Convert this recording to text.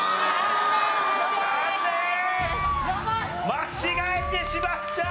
間違えてしまった！